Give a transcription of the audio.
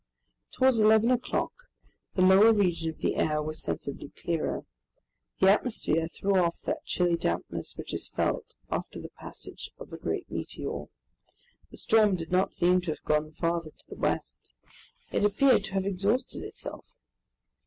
Towards eleven o'clock, the lower region of the air was sensibly clearer. The atmosphere threw off that chilly dampness which is felt after the passage of a great meteor. The storm did not seem to have gone farther to the west. It appeared to have exhausted itself.